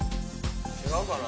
違うかな？